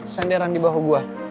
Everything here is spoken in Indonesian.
senderan di bahu gue